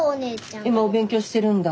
今お勉強してるんだ？